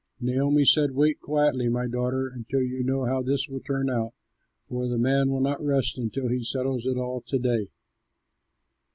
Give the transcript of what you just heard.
'" Naomi said, "Wait quietly, my daughter, until you know how this will turn out, for the man will not rest unless he settles it all to day."